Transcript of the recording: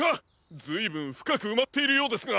ずいぶんふかくうまっているようですが。